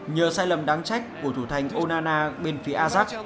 nhờ sai lầm đáng trách của thủ thành onana bên phía azak